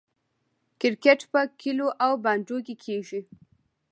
کرکټ په کلیو او بانډو کې کیږي.